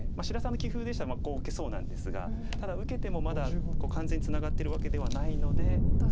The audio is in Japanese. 志田さんの棋風でしたらこう受けそうなんですがただ受けてもまだ完全にツナがってるわけではないので。